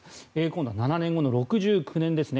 今度は７年後の６９年です。